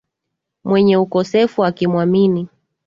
Mwenye ukosefu akimwamini